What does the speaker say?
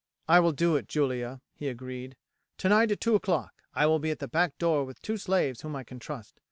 "I will do it, Julia," he agreed; "tonight at two o'clock I will be at the back door with two slaves whom I can trust.